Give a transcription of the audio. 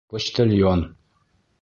Почтальон!